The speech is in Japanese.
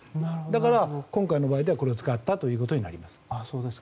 だから今回の場合、これを使ったということになります。